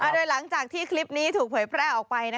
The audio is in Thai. โดยหลังจากที่คลิปนี้ถูกเผยแพร่ออกไป